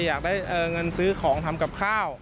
อยากได้เงินซื้อของทำกับข้าว